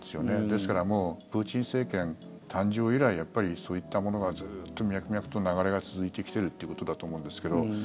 ですから、プーチン政権誕生以来そういったものがずっと脈々と流れが続いてきているということだと思うんですけど。